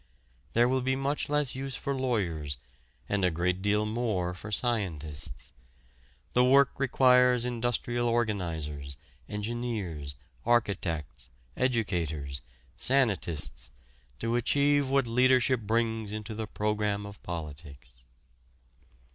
There will be much less use for lawyers and a great deal more for scientists. The work requires industrial organizers, engineers, architects, educators, sanitists to achieve what leadership brings into the program of politics.